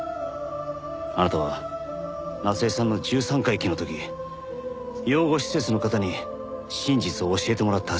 あなたは夏恵さんの十三回忌の時養護施設の方に真実を教えてもらったはずです。